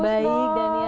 baik daniela baik